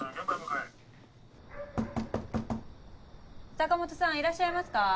坂本さんいらっしゃいますか？